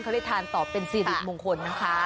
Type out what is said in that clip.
เขาได้ทานต่อเป็นสินทรสมงคล